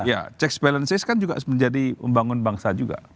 jadi ya checks balances kan juga menjadi membangun bangsa juga